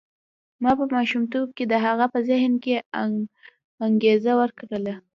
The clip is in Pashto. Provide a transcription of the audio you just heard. ما په ماشومتوب کې د هغه په ذهن کې انګېزه وکرله.